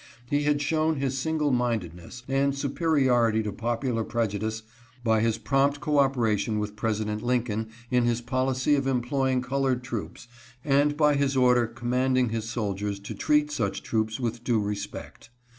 He had shown his single mindedness and superiority to popular prejudice by his prompt coopera tion with President Lincoln in his policy of employ ing colored troops and by his order commanding his soldiers to treat such troops with due respect.